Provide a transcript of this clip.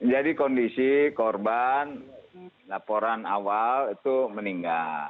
jadi kondisi korban laporan awal itu meninggal